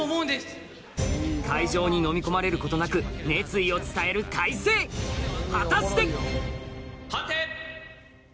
会場にのみ込まれることなく熱意を伝える開成果たして判定！